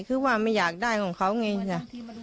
คือว่าไม่อยากได้ของเขาไงจ้ะ